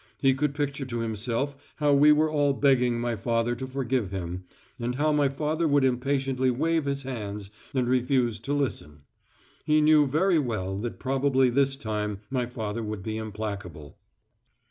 He could picture to himself how we were all begging my father to forgive him, and how my father would impatiently wave his hands and refuse to listen. He knew very well that probably this time my father would be implacable.